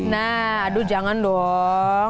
nah aduh jangan dong